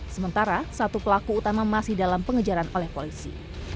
sementara satu pelaku utama masih dalam pengejaran oleh polisi